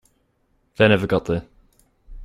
They never got there.